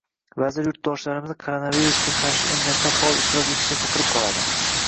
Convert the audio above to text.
Vazir yurtdoshlarimizni koronavirusga qarshi emlashda faol ishtirok etishga chaqirib qoladi.